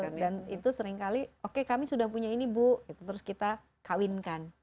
iya dan itu seringkali oke kami sudah punya ini bu terus kita kawinkan